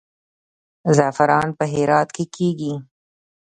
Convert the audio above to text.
زعفران په هرات کې کیږي